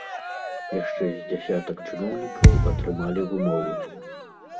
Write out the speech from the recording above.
Яшчэ з дзясятак чыноўнікаў атрымалі вымовы.